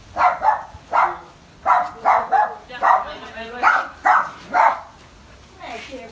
จังหวังพี่คูณขวานไม่ดูคว่าจะผ่านง่ายเพียวค่ะ